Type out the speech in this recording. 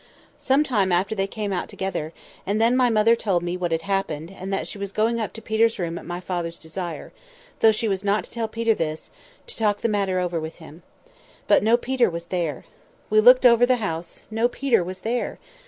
Some time after they came out together; and then my mother told me what had happened, and that she was going up to Peter's room at my father's desire—though she was not to tell Peter this—to talk the matter over with him. But no Peter was there. We looked over the house; no Peter was there!